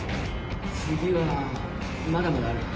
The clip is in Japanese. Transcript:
次はまだまだある。